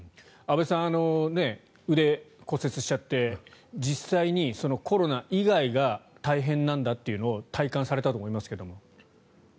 安部さん腕骨折しちゃって実際にコロナ以外が大変なんだというのを体感されたと思いますけれども。